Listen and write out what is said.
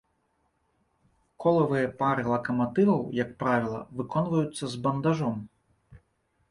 Колавыя пары лакаматываў, як правіла, выконваюцца з бандажом.